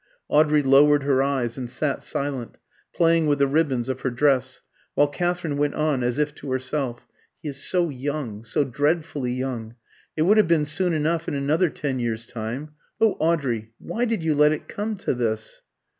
Audrey lowered her eyes, and sat silent, playing with the ribbons of her dress, while Katherine went on as if to herself "He is so young, so dreadfully young. It would have been soon enough in another ten years' time. Oh, Audrey, why did you let it come to this?"